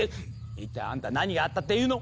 一体あんた何があったっていうの？